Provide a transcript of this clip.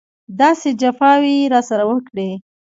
داسې جفاوې یې راسره وکړې.